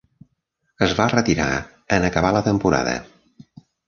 Es va retirar en acabar la temporada.